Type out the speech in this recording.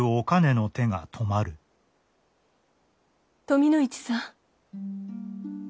富の市さん。